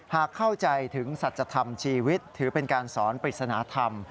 หากเข้าใจถึงสัจธรรมชีวิตถือเป็นการสอนปริศนธรรม